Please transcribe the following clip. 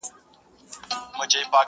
یو په یو یې د ژوند حال ورته ویلی!!